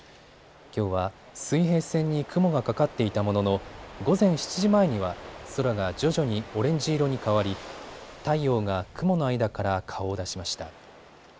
きょうは水平線に雲がかかっていたものの午前７時前には空が徐々にオレンジ色に変わり太陽が雲の間から顔を出しました。